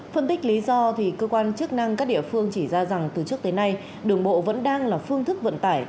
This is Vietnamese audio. phân tích lý do thì cơ quan chức năng các địa phương chỉ ra rằng từ trước tới nay đường bộ vẫn đang là phương thức vận tải